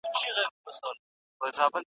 هره ورځ یې دا یوه سندره کړله .